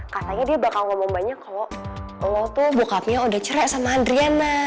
katanya dia bakal ngomong banyak kalau lo tuh bokapnya udah cerai sama adriana